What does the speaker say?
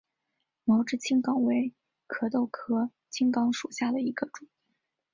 毛枝青冈为壳斗科青冈属下的一个种。